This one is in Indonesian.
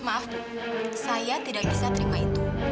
maaf saya tidak bisa terima itu